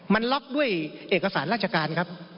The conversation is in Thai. มันล็อกด้วยเอกสารราชการครับ